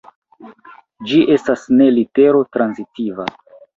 Ĝi estas ne latero-transitiva.